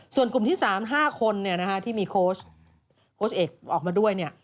ส่วนกลุ่มที่๓๕คนที่มีโค้ชเอกออกมาด้วยเนี่ย